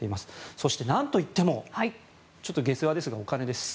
そして、なんといっても下世話ですがお金です。